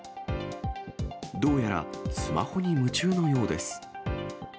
どうやらスマホに夢中のようです。